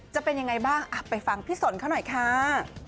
จะเป็นยังไงบ้างไปฟังพี่สนเขาหน่อยค่ะ